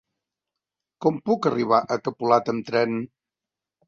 Com puc arribar a Capolat amb tren?